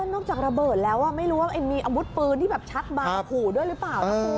นอกจากระเบิดแล้วไม่รู้ว่ามีอาวุธปืนที่แบบชักมาขู่ด้วยหรือเปล่านะคุณ